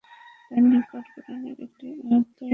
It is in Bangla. তার নিকট কুরআনের একটি আয়াত শিখবেন।